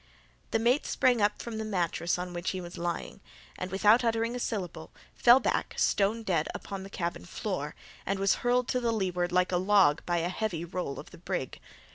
The mate sprang up from the mattress on which he was lying, and, without uttering a syllable, fell back, stone dead, upon the cabin floor, and was hurled to the leeward like a log by a heavy roll of the brig.